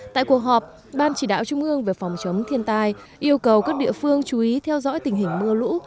tại cuộc họp ban chỉ đạo trung ương về phòng chống thiên tai yêu cầu các địa phương chú ý theo dõi tình hình mưa lũ